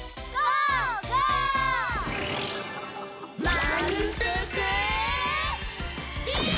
まんぷくビーム！